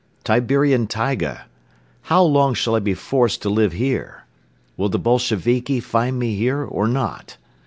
Siberian taiga! How long shall I be forced to live here? Will the Bolsheviki find me here or not?